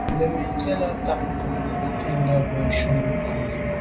Jə̂ mə̀ndzwí lá zǎ tɛ̌n kghwâ’ ncùndá bâ shúnɔ̀m mwà’nì.